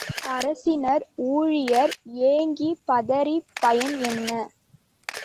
அரசினர், ஊழியர் ஏங்கிப், பதறிப் பயன் என்ன?